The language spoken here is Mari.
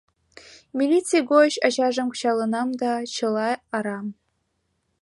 Милиций гоч ачажым кычалынам да чыла арам.